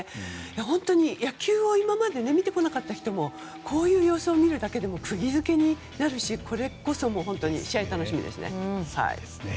本当に野球を今まで見てこなかった人もこういう様子を見るだけでも釘付けになるしこれこそ試合楽しみですね。